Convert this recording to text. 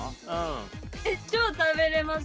えっ超食べれます。